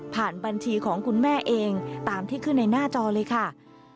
บัญชีของคุณแม่เองตามที่ขึ้นในหน้าจอเลยค่ะ